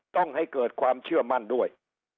ต้องให้เกิดความเชื่อมั่นด้วย